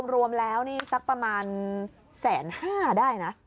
รวมแล้วนี่สักประมาณ๑๕๐๐ได้นะ